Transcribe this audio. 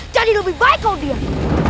jadi lebih baik kau diam